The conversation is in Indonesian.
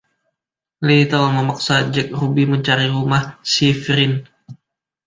Littell memaksa Jack Ruby mencari rumah Schiffrin.